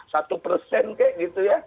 satu persen kayak gitu ya